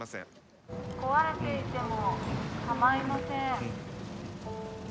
壊れていてもかまいません。